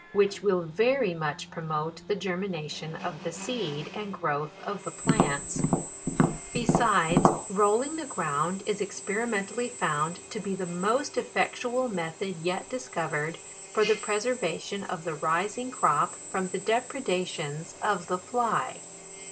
which will very much promote the germina 158 JULY. tion of the seed, and growth of the plants* Besides, rolling the ground is experimentally found to be the most effectual method yet discovered for the preservation of the rising crop from the depredations of the fly.